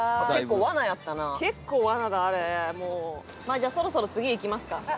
じゃあそろそろ次いきますか。